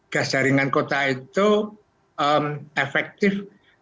gas jaringan kota itu efektif